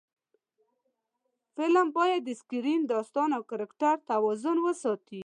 فلم باید د سکرېن، داستان او کرکټر توازن وساتي